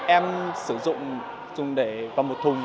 em sử dụng để vòng một thùng